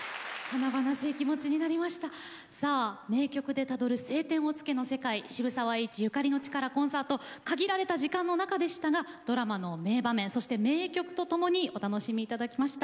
「名曲でたどる『青天を衝け』の世界渋沢栄一ゆかりの地からコンサート」限られた時間の中でしたがドラマの名場面そして名曲と共にお楽しみいただきました。